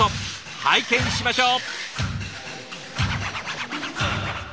拝見しましょう！